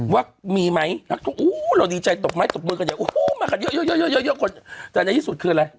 ว่ามีไหมเราดีใจตกมือกันเดี๋ยวมาเยอะแต่ในที่สุดคืออะไร